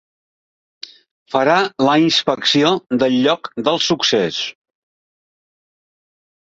Farà la inspecció del lloc del succés.